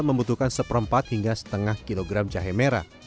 membutuhkan seperempat hingga setengah kilogram jahe merah